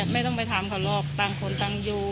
ไม่ต้องไปถามเขาหรอกต่างคนต่างอยู่